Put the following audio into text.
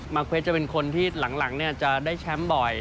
เวทจะเป็นคนที่หลังจะได้แชมป์บ่อย